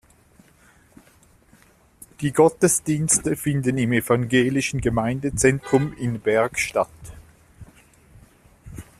Die Gottesdienste finden im evangelischen Gemeindezentrum in Berg statt.